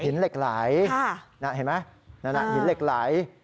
หินเหล็กไหล่น่ะเห็นไหมนั่นหินเหล็กไหล่